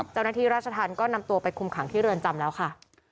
เจ้าหน้าที่ราชธรรมก็นำตัวไปคุมขังที่เรือนจำแล้วค่ะ